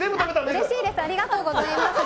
うれしいです、ありがとうございます。